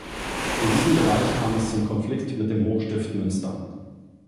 In diesem Bereich kam es zum Konflikt mit dem Hochstift Münster.